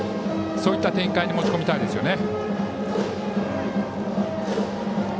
そういった展開に持ち込みたいですね。